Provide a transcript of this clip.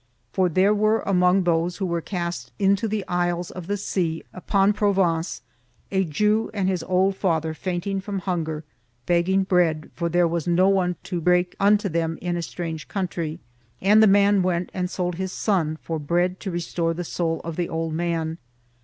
... For there were among those who were cast into the isles of the sea upon Provence a Jew and his old father fainting from hunger, begging bread, for there was no one to break unto him in a strange country. And the man went and sold his son for bread to restore the soul of the old man.